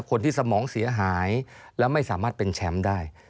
คนที่สมองเสียหายและไม่สามารถเป็นแชมป์ได้